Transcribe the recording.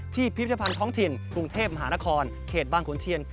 พิพิธภัณฑ์ท้องถิ่นกรุงเทพมหานครเขตบางขุนเทียน